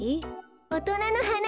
おとなのはなによ。